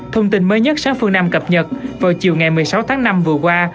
thông tin mới nhất sáng phương nam cập nhật vào chiều ngày một mươi sáu tháng năm vừa qua